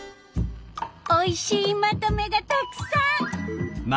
おいしいまとめがたくさん！